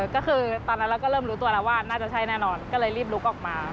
ก็คือตอนนั้นเราก็เริ่มรู้ตัวแล้วว่าน่าจะใช่แน่นอนก็เลยรีบลุกออกมา